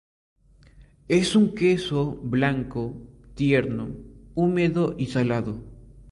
Es un queso blanco, tierno, húmedo y salado.